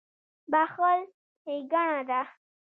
• بښل ښېګڼه ده.